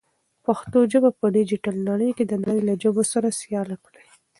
پښتو ژبه په ډیجیټل نړۍ کې د نړۍ له ژبو سره سیاله کړئ.